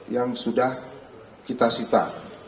yang sudah kita sita